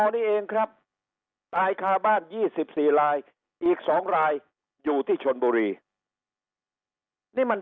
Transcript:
นี่เองครับตายคาบ้าน๒๔รายอีก๒รายอยู่ที่ชนบุรีนี่มัน